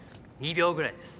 ２秒ぐらいです。